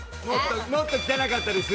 もっと汚かったです。